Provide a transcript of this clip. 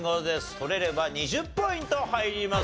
取れれば２０ポイント入ります。